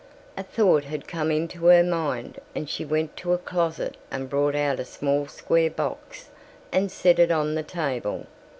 A thought had come into her mind and she went to a closet and brought out a small square box and set it on the table.